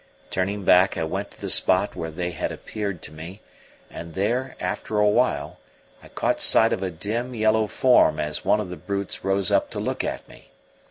Turning back, I went to the spot where they had appeared to me; and there, after a while, I caught sight of a dim, yellow form as one of the brutes rose up to look at me.